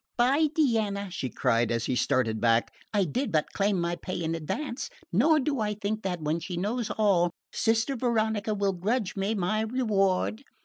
"By Diana," she cried as he started back, "I did but claim my pay in advance; nor do I think that, when she knows all, Sister Veronica will grudge me my reward!"